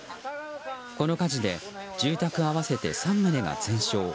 この火事で住宅合わせて３棟が全焼。